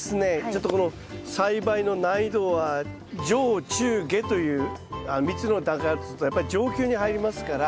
ちょっとこの栽培の難易度は上中下という３つの段階だとするとやっぱり上級に入りますから。